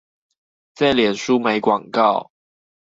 在臉書買廣告